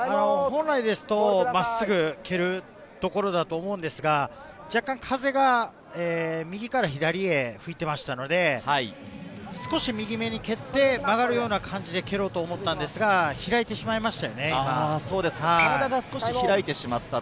本来ですと真っすぐ蹴るところだと思うんですが、若干、風が右から左へ吹いていましたので、少し右めに蹴って上がるような感じで蹴ろうと思ったんですが開い体が少し開いてしまった。